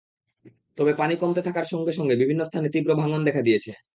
তবে পানি কমতে থাকার সঙ্গে সঙ্গে বিভিন্ন স্থানে তীব্র ভাঙন দেখা দিয়েছে।